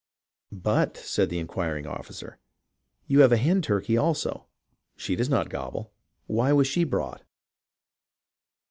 "But," said the inquiring officer, "you have a hen turkey also. She does not gobble — why was she brought